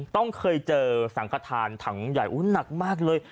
ต้องเคยเจอสังขทานถังใหญ่หนักมากเลย